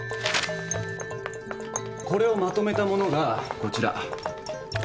これをまとめたものがこちら。